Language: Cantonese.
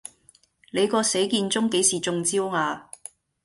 你個死健忠幾時中招呀